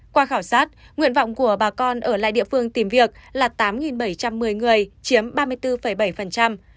qua khảo sát nguyện vọng của bà con ở lại địa phương tìm việc là tám bảy trăm một mươi người chiếm ba mươi bốn bảy